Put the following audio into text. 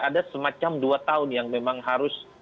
ada semacam dua tahun yang memang harus